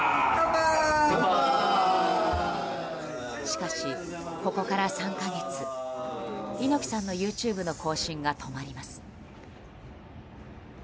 しかし、ここから３か月猪木さんのＹｏｕＴｕｂｅの更新が止まります。